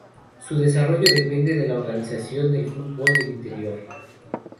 Su desarrollo depende de la Organización del Fútbol del Interior.